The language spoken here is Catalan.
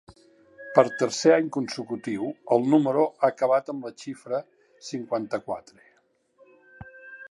Per tercer any consecutiu el número ha acabat amb la xifra cinquanta-quatre.